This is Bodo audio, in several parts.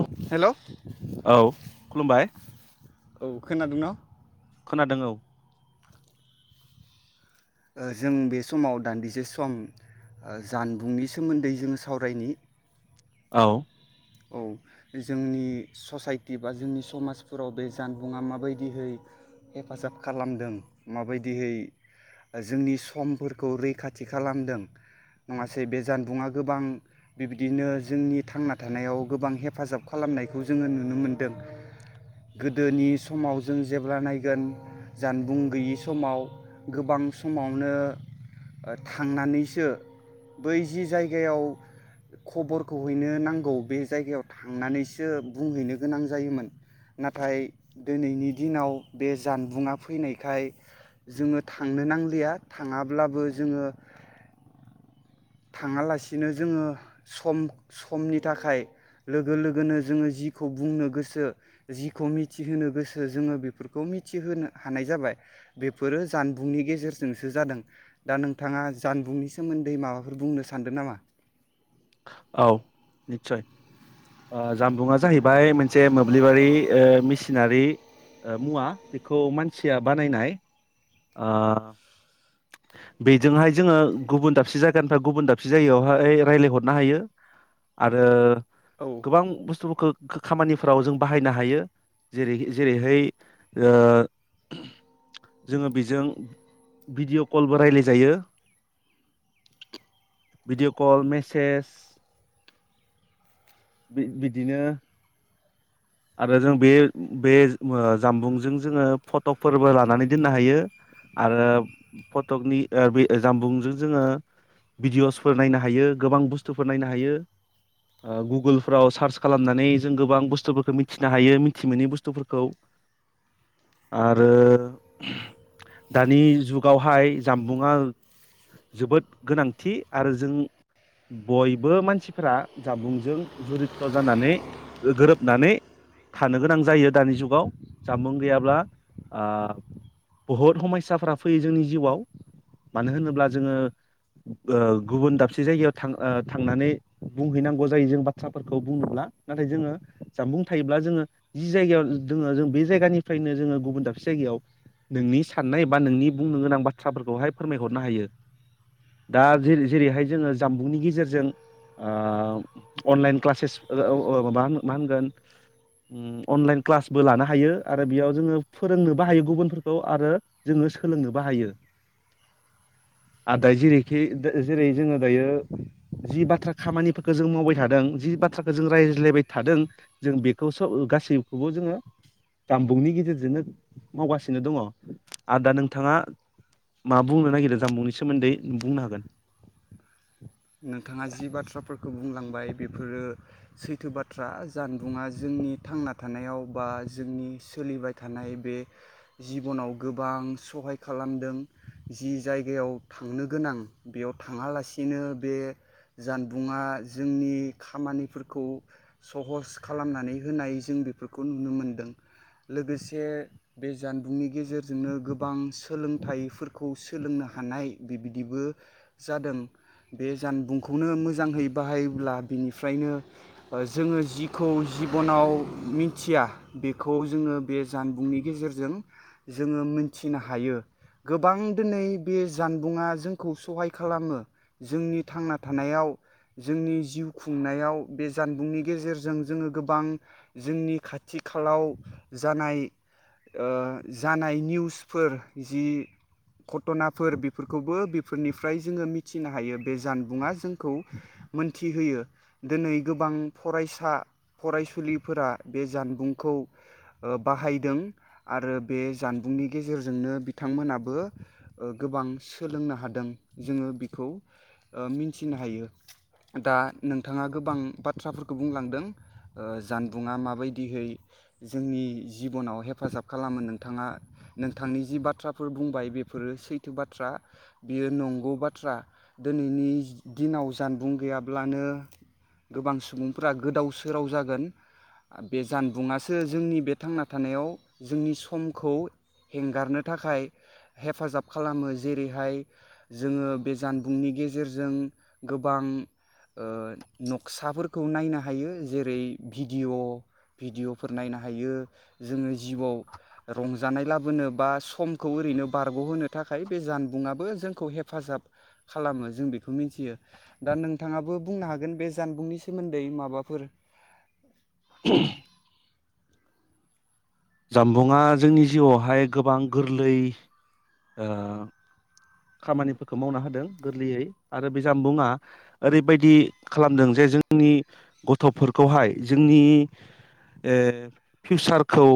अ हेल' औ औ खुलुमबाय औ खोनादों न' खोनादों औ ओ जों बे समाव दान्दिसे सम जानबुंनि सोमोन्दै जोङो सावरायनि औ औ जोंनि ससाइटि बा जोंनि समाज फोराव बे जानबुं आ माबायदि दिहै हेफाजाब खालामदों माबायदिहै जोंनि समफोरखौ रैखाथि खालामदों नङासै बे जानबुङा गोबां बिबदिनो जोंनि थांना थानायाव गोबां हेफाजाब खालामनायखौ जोङो नुनो मोनदों गोदोनि समाव जों जेब्ला नायगोन जानबुं गैयि समाव गोबां समावनो थांनानैसो बै जि जायगायाव खबरखौ हैनो नां औ बे जायगायाव थांनानैसो बुंहैनो गोनां जायोमोन नाथाय दोनैनि दिनाव बे जानबुंआ फैनायखाय जोङो थांनो नांलिया थाङाब्लाबो जोङो थाङालासिनो जोङो सम समनि थाखाय लोगो लोगोनो जोङो जिखौ बुंनो गोसो जिखौ मिथिहोनो गोसो जोङो बेफोरखौ मिथिहो हानाय जाबाय बेफोरो जानबुंनि गेजेरजोंसो जादों दा नोंथाङा जानबुंनि सोमोन्दै माबा फोर बुंनो सानदों नामा औ निस्सय ओ जामबुंआ जाहैबाय मोनसे मोब्लिबारि ओ मेसिनारि मुवा बेखौ मानसिया बानायनाय ओ बेजोंहाय जोङो गुबुन दाबसे जायगानिफ्राय गुबुन दाबसे जायगायावहाय रायज्लायहरनो हायो आरो औ गोबां बुस्थुफोरखौ खामानिफ्राव जों बाहायनो हायो जेरै जेरैहाय ओ जोङो बिजों भिडिअ कलबो रायलाय जायो भिडिअ' कल मेसेज बि बिदिनो आरो जों बे बे जानबुंजों जोङो फटकफोरबो लानानै दोननो हायो आरो फटकनि ओ बे जानबुंजों जोङो भिडिअ'सफोर नायनो हायो गोबां बुस्थुफोर नायनो हायो ओ गुगोलफ्राव सार्च खालामनानै जों गोबां बुस्थुफोर खो मिथिनो हायो मिथि मोनोनि बुस्थुफोरखौ आरो दानि जुगावहाय जामबुंआ जोबोद गोनांथि आरो जों बयबो मानसिफोरा जामबुंजों जरिथ' जानानै गोरोबनानै थानो गोनां जायो दानि जुगाव जानबुं गैयाब्ला ओ बहुद हमस्साफ्रा फैयो जोंनि जिउआव मानो होनोब्ला जोङो ओ गुबुन दाबसे जायगायाव थां ओ थांनानै बुंहैनांगौ जायो जों बाथ्राफोरखौ बुंनोब्ला नाथाय जोङो जानबुं थायोब्ला जोङो जि जायगायाव दोङो जों बे जायगानिफ्रायनो जोङो गुबुन दाबसे जायगायाव नोंनि साननाय बा नोंनि बुंनो गोनां बाथ्राफोरखौहाय फोरमायहरनो हायो दा जे जेरैहाय जोङो जामबुंनि गेजेरजों अनलाइन क्लासेस ओ औ ओ माबा मा होनगोन उम अनलाइन क्लासबो लानो हायो आरो बेयाव जोङो फोरोंनोबो हायो गुबुनफोरखौ आरो जोङो सोलोंनोबो हायो आरो दायो जेरैखि जेरै जोङो दायो जि बाथ्रा खामानिफोरखौ जों मावबाय थादों जि बाथ्राखौ जों रायज्लायबाय थादों जों बेखौ स गासैखौबो जोङो जामबुंनि गेजेरजोंनो मावगासिनो दङ आर दा नोंथाङा मा बुंनो नागिरो जामबुंनि सोमोन्दै बुंनो हागोन नोंथाङा जि बाथ्राफोर खौ बुंलांबाय बेफोरो सैथो बाथ्रा जानबुङा जोंनि थांना थानायाव बा जोंनि सोलिबाय थानाय बे जिबनाव गोबां सहाय खालामदों जि जायगायाव थांनो गोनां बेयाव थाङालासिनो बे जानबुंङा जोंनि खामानिफोरखौ सहस खालामनानै होनाय जों बेफोरखौ नुनो मोनदों लोगोसे बे जानबुंनि गेजेरजोंनो गोबां सोलोंथाइफोरखौ सोलोंनो हानाय बेबिदिबो जादों बे जानबुंखौनो मोजाङै बाहायोब्ला बिनिफ्रायनो ओ जोङो जिखौ जिबनाव मिथिया बेखौ जोङो बे जानबुंनि गेजेरजों जोङो मोनथिनो हायो गोबां दिनै बे जानबुंङा जोंखौ सहाय खालामो जोंनि थांना थानायाव जोंनि जिउ खुंनायाव बे जानबुंनि गेजेरजों जोङो गोबां जोंनि खाथि खालाव जानाय ओ जानाय निउसफोर जि घटनाफोर बेफोरखौबो बेफोरनिफ्राय जोङो मिथि थिनो हायो बे जानबुंआ जों खौ मोनथिहोयो दिनै गोबां फरायसा फरायसुलिफोरा बे जानबुंखौ बाहायदों आरो बे जानबुंनि गेजेरजोंनो बिथांमोनाबो ओ गोबां सोलोंनो हादों जोङो बि खौ ओ मिनथिनो हायो दा नोंथाङा गोबां बाथ्राफोरखौ बुंलांदों ओ जानबुंङा माबायदिहै जोंनि जिबनाव हेफाजाब खालामो नोंथाङा नोंथांनि जि बाथ्राफोर बुंबाय बेफोरो सैथो बाथ्रा बेयो नंगौ बाथ्रा दोनैनि दिनाव जानबुं गैयाब्लानो गोबां सुबुंफ्रा गोदाव सोराव जागोन आ बे जानबुंङासो जोंनि बे थांना थानायाव जोंनि समखौ हेंगारनो थाखाय हेफाजाब खालामो जेरैहाय जोङो बे जानबुंनि गेजेरजों गोबां ओ नक्साफोरखौ नायनो हायो जेरै भिडिय' भिडिय'फोर नायनो हायो जोङो जिउआव रंजानाय लाबोनो बा समखौ ओरैनो बारग'होनो थाखाय बे जानबुंङाबो जोंखौ हेफाजाब खालामो जों बेखौ मिथियो दा नोंथाङाबो बुंनो हागोन बे जानबुंनि सोमोन्दै माबाफोर [inaudible] जामबुंआ जोंनि जिउआवहाय गोबां गोरलै ओ खामानिफोरखौ मावना होदों गोरलैयै आरो बे जामबुंया ओरैबायदि खालामदों जे जोंनि गथफोरखौहाय जोंनि ओ फिउसारखौ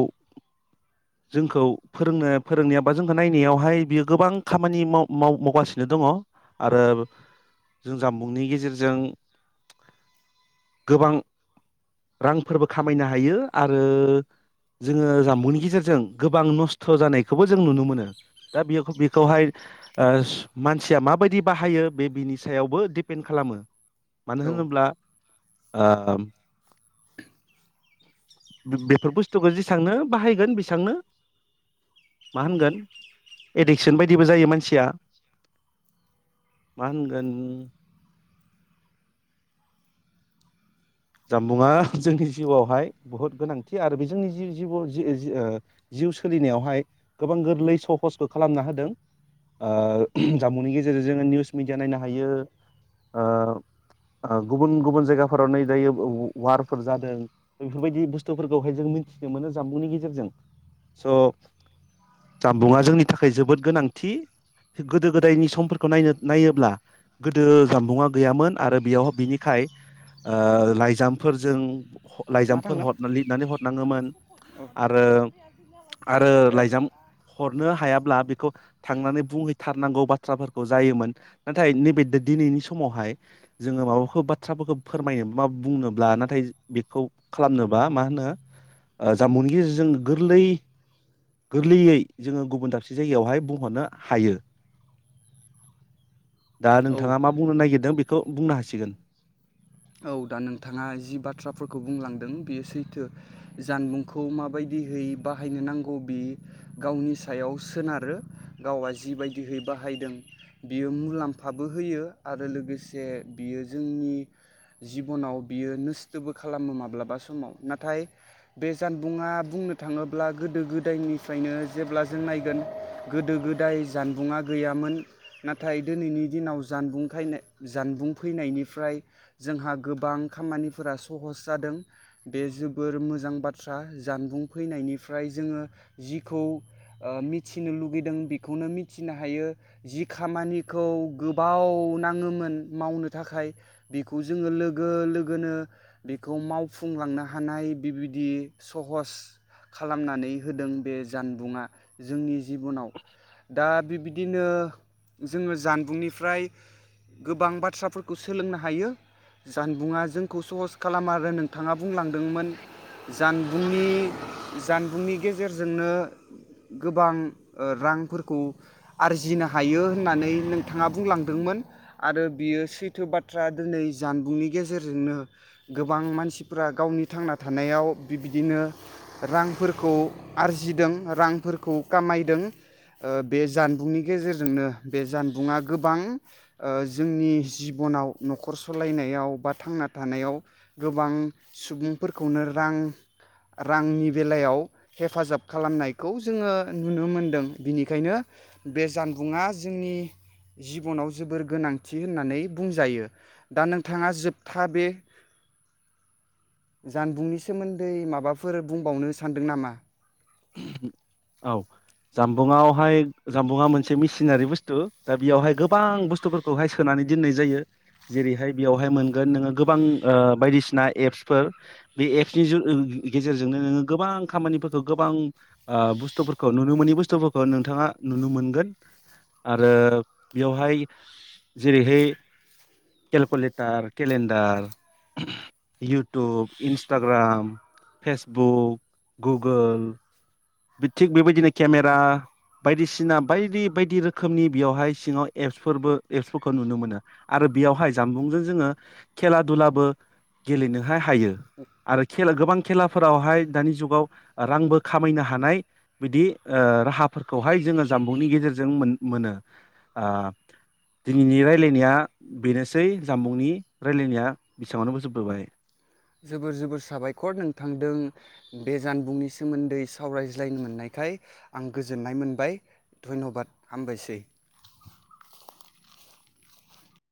जोंखौ फोरोंनो फोरोंनायाव बा जोंखौ नायनायावहाय बियो गोबां खामानि माव मावगासिनो दङ आरो जों जामबुंनि गेजेरजों गोबां रांफोरबो खामायनो हायो आरो जोङो जामबुंनि गेजेरजों जों गोबां नस्थ जानायखौबो नुनो मोनो दा बेखौहाय ओ मानसिया मा बायदि बाहायो बे बेनि सायावबो दिपेन खालामो मानो औ होनोबा बेफोर ओ बे बेफोर बुसतुखौ जेसांनो बाहायगोन इसांनो मा होनगोन एडिकसन बायदिबो जायो मानसिया मा होनगोन जामबुंया जोंनि जिउआवहाय बुहुद गोनांथि आरो बे जोंनि जि जि जिउ सोलिनायावहाय गोबां गोरलै सहसखौ खालामना होदों ओ जामबुंनि गेजेरजों जो निउस मिडिया नायनो हायो गुबुन गुबुन जायगाफोराव नै दायो व वारफोर जादों बेफोरबायदि बुस्थुफोरखौहाय जों मिथिनो मोनो जानबुंनि गेजेरजों स जानबुङा जोंनि थाखाय जोबोद गोनांथि गोदो गोदायनि समफोरखौ नायनो नायोब्ला गोदो जानबुङा गैयामोन आरो बेयावहाय बिनिखाय एगजामफोरजों मा लाइजामफोर थांनो हर लिरनानै हरनाङोमोन आरो आरो ए लाइजाम हरनो हायाब्ला बेखौ थांनानै बुंहैथारनांगौ बाथ बाथ्राफोरखौ जायोमोन नाथाय नैबे दिनैनि समावहाय जोङो माबाफोर बाथ्राफोरखौ फोरमायनो मा बुंनोब्ला नाथाय बेखौ खालामनोबा मा होनो जाबुंनि गेजेरजों गोरलै गोरलैयै जोङो गुबुन दाबसे जायगायावहाय बुंहरनो हायो दा नोंथाङा मा बुंनो नागिरदों खौ बुंनो हासिगोन औ दा नोंथाङा जि बाथ्राफोरखौ बुंलांदों बियो सैथो जानबुंखौ माबायदिहै बाहायनो नांगौ बि गावनि सायाव सोनारो गावआ जिबायदिहै बाहायदों बियो मुलाम्फाबो होयो आरो लोगोसे बियो जोंनि जिबनाव बियो नस्थोबो खालामो माब्लाबा समाव नाथाय बे जानबुङा बुंनो थाङोब्ला गोदो गोदायनिफ्रायनो जेब्ला जों नायगोन गोदो गोदाय जानबुंङा गैयामोन नाथाय दिनैनि दिनाव जानबुं खायनाय जानबुं फैनायनिफ्राय जोंहा गोबां खामानिफोरा सहस जादों बे जोबोर मोजां बाथ्रा जानबुं फैनायनिफ्राय जोङो जिखौ ओ मिथिनो लुगैदों बेखौनो मिथिनो हायो जि खामानिखौ गोबाव नाङोमोन मावनो थाखाय बेखौ जोङो लोगो लोगोनो बेखौ मावफुंलांनो हानाय बिबायदि सहस खालामनानै होदों बे जानबुंङा जोंनि जिबनाव दा बिबायदिनो जोङो जानबुंनिफ्राय गोबां बाथ्राफोरखौ सोलोंनो ह हायो जानबुंङा जोंखौ सहस खालाम आरो नोंथाङा बुंलांदोंमोननि जानबुंनि जानबुंनि गेजेरजोंनो गोबां रांफोरखौ आरजिनो हायो होननानै नोंथाङा बुंलांदोंमोन आरो बियो सैथो बाथ बाथ्रा दिनै जानबुंनि गेजेरजोंनो गोबां मानसिफोरा गावनि थांना थानायाव बिबायदिनो रांफोरखौ आरजिदों रांफोरखौ खामायदों बे जानबुंनि गेजेरजोंनो बे जानबुंङा गोबां ओ जोंनि जिबनाव नखर सालायनायाव बा थांना थानायाव गोबां सुबुंफोरखौनो रां रांनि बेलायाव हेफाजाब खालामनायखौ जोङो नुनो मोनदों बिनिखायनो बे जानबुंङा जोंनि जिबनाव जोबोर गोनांथि होननानै बुंजायो दा नोंथाङा जोबथा बे जानबुंनि सोमोन्दै माबाफोर बुंबावनो सानदों नामा औ जामबुंङावहाय जामबुङा मोनसे मेसिनारि बुस्थु दा बेयावहाय गोबां बुस्थुफोरखौहाय सोनानै दोननाय जायो जेरैहाय बेयावहाय मोनगोन नोङो गोबां बायदिसिना एप्सफोर बे एपसनि [unintelligible] गेजेरजोंनो नोङो गोबां खामानिफोरखौ गोबां ओ बुस्थुफोरखौ नुनो मोनोनि बुस्थुफोर खौ नोंथाङा नुनो मोनगोन आरो बेयावहाय जेरैहाय calculator calendar YouTube Instagram Facebook गुग गुगोल थिग बेबायदिनो केमेरा बायदिसिना बायदि बायदि रोखोमनि बेयावहाय सिङाव एप्सफोरबो एप्सफोरखौ नुनो मोनो आरो बेयावहाय जानबुंजों जोङो खेला दुलाबो गेलेनोहाय हायो आरो खे गोबां खेलाफोरावहाय दानि जुगाव रांबो खामायनो हायो थानाय बिदि राहाफोरखौहाय जोङो जामबुंनि गेजेरजों मोन मोनो दिनैनि रायलायनाया बेनोसै जामबुंनि रायलायनाया बेसेबावनो बोजोबबोबाय जोबोर जोबोर साबायखर नोंथांदों बे जानबुंनि सोमोन्दै सावरायज्लायनो मोननायखाय आं गोजोननाय मोनबाय धन्यबाद हामबायसै